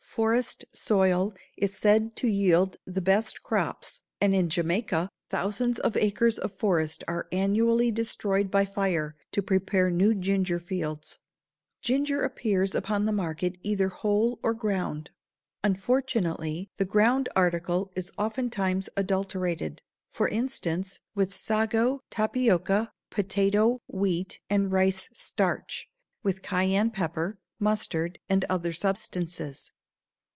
Forest soil is said to yield the best crops and in Jamaica thousands of acres of forest are annually destroyed by fire to prepare new ginger fields. Ginger appears upon the market either whole or ground. Unfortunately the ground article is oftentimes adulterated; for instance, with sago, tapioca, potato, wheat, and rice starch, with cayenne pepper, mustard, and other substances.